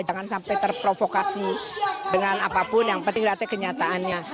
jangan sampai terprovokasi dengan apapun yang penting lihat kenyataannya